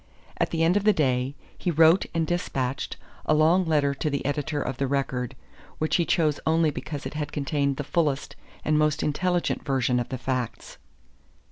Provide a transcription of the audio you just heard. At the end of the day he wrote and despatched a long letter to the editor of the Record, which he chose only because it had contained the fullest and most intelligent version of the facts.